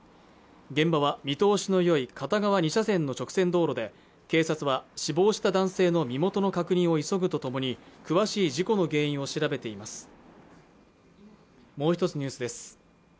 現場は見通しのよい片側２車線の直線道路で警察は死亡した男性の身元の確認を急ぐとともに詳しい事故の原因を調べています